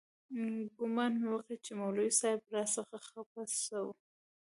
ګومان مې وکړ چې مولوي صاحب راڅخه خپه سو.